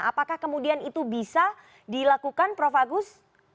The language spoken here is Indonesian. apakah kemudian itu bisa dilakukan prof agus